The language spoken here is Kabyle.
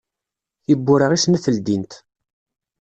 Tiwwura i snat ldint.